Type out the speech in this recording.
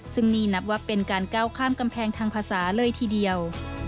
ซึ่งนี่นับว่าเป็นการก้าวข้ามกำแพงทางภาษาเลยทีเดียว